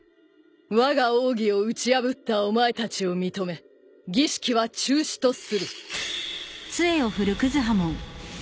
わが奥義を打ち破ったお前たちを認め儀式は中止とする。